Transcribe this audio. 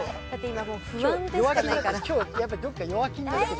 今日どこか弱気になってる。